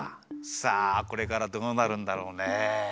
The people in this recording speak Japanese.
さあこれからどうなるんだろうね。